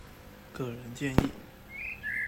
個人建議